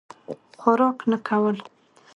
خوراک نه کول.